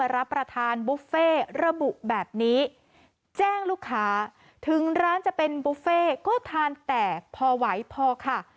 ระบุแบบนี้แจ้งลูกค้าถึงร้านจะเป็นบุฟเฟ่ก็ทานแตกพอไหวพอค่ะ